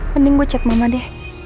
mending gue chat mama deh